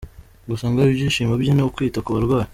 Gusa ngo ibyishimo bye ni ukwita ku barwayi.